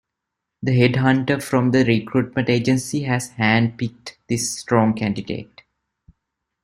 The head hunter from the recruitment agency has hand-picked this strong candidate.